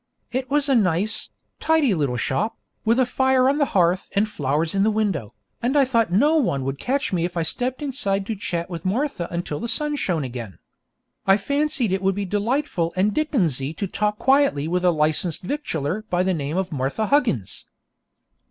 It was a nice, tidy little shop, with a fire on the hearth and flowers in the window, and I thought no one would catch me if I stepped inside to chat with Martha until the sun shone again. I fancied it would be delightful and Dickensy to talk quietly with a licensed victualler by the name of Martha Huggins.